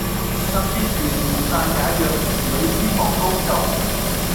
甚至團年飯也讓兒女先忙工作